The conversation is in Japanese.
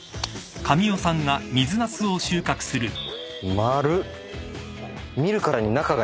丸っ！